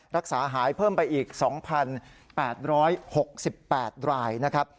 รักษาหายเพิ่มไปอีก๒๘๖๘รายนะครับ